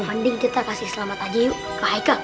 mending kita kasih selamat aja yuk ke haika